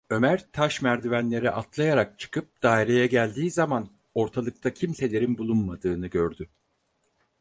Ömer taş merdivenleri atlayarak çıkıp daireye geldiği zaman ortalıkta kimselerin bulunmadığını gördü.